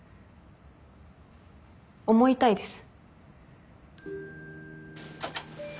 思いたいです。